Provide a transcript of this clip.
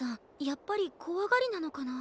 やっぱりこわがりなのかな。